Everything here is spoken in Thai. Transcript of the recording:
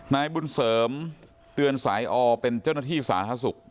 นายบุญเสริมเตือนสายออเป็นเจ้าหน้าที่สาธารณสุข